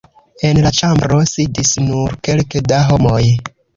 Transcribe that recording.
En la ĉambro sidis nur kelke da homoj.